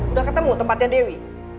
udah ketemu tempatnya dewi